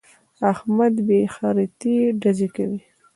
احمد بې خريطې ډزې کوي.